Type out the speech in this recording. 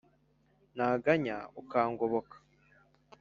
naganya ukangoboka